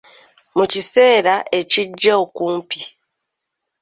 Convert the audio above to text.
Mu kiseera ekijja okumpi.